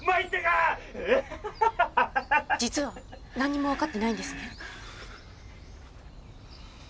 実はなんにもわかってないんですね。